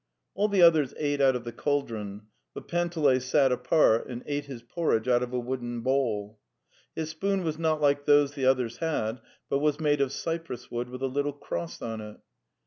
All the others ate out of the cauldron, but Panteley sat apart and ate his porridge out of a wooden bowl. His spoon was not like those the others had, but was made of cypress wood, with a little cross on it.